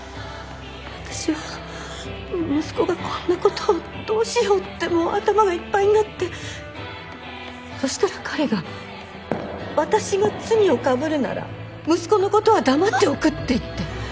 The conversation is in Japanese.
私は息子がこんなことをどうしようってもう頭がいっぱいになってそしたら彼が私が罪を被るなら息子のことは黙っておくって言って。